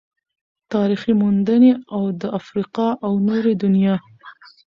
تاريخي موندنې او د افريقا او نورې دنيا